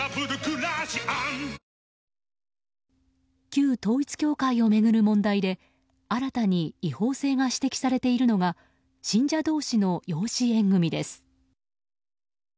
旧統一教会を巡る問題で新たに違法性が指摘されているのが信者同士の養子縁組です。